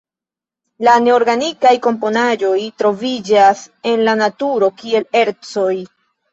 La neorganikaj komponaĵoj troviĝas en la naturo kiel ercoj.